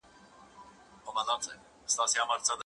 په مورنۍ ژبه زده کړه کول اسانه دي.